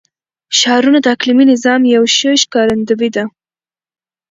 ښارونه د اقلیمي نظام یو ښه ښکارندوی دی.